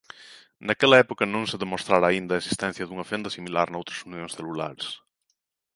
Naquela época non se demostrara aínda a existencia dunha fenda similar noutras unións celulares.